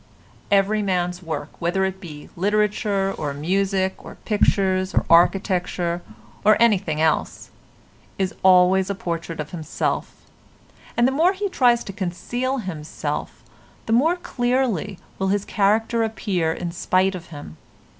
Every man's work, whether it be literature or music or pictures or architecture or anything else, is always a portrait of himself, and the more he tries to conceal himself the more clearly will his character appear in spite of him.